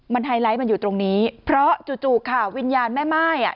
มันไฮไลท์มันอยู่ตรงนี้เพราะจู่จู่ค่ะวิญญาณแม่ม่ายอ่ะ